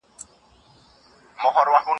زه اوږده وخت ليک لولم وم.